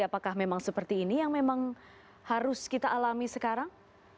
apakah memang seperti ini yang memang harus kita alami sekarang